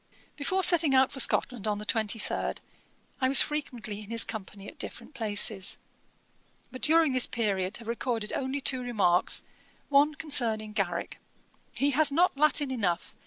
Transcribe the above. Before setting out for Scotland on the 23rd, I was frequently in his company at different places, but during this period have recorded only two remarks: one concerning Garrick: 'He has not Latin enough.